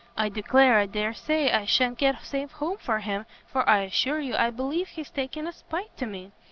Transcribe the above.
I declare I dare say I sha'n't get safe home for him, for I assure you I believe he's taken a spite to me!